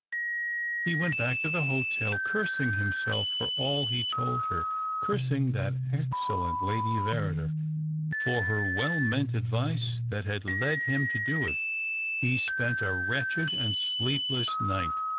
He went back to the hotel, cursing himself for all he told her, cursing that excellent Lady Yerrider for her well meant advice that had led him to do it. He spent a wretched and sleepless night.